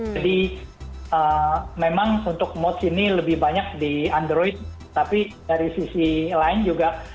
jadi memang untuk mods ini lebih banyak di android tapi dari sisi lain juga